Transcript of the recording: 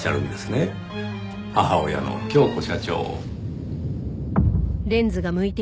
母親の恭子社長を。